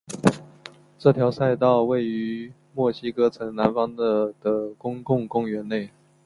这条赛道位于墨西哥城南方的的公共公园内。